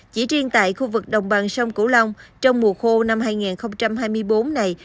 chỉ riêng tại khu vực đồng bằng sông cửu long trong mùa khô năm hai nghìn hai mươi bốn này